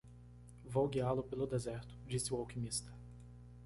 "Vou guiá-lo pelo deserto?", disse o alquimista.